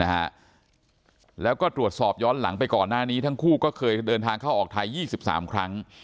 นะฮะแล้วก็ตรวจสอบย้อนหลังไปก่อนหน้านี้ทั้งคู่ก็เคยเดินทางเข้าออกไทย๒๓ครั้ง